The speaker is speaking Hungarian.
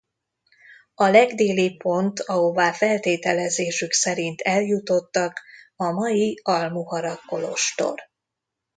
A legdélibb pont ahová feltételezésük szerint eljutottak a mai Al-Muharraq kolostor.